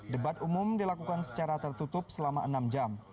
debat umum dilakukan secara tertutup selama enam jam